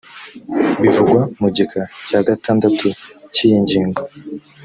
bivugwa mu gika cya gatandatu cy’iyi ngingo